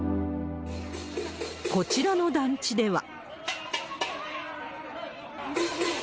こちらの団地では。